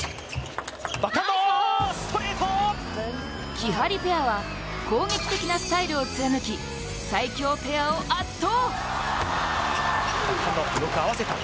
きはりペアは攻撃的なスタイルを貫き最強ペアを圧倒。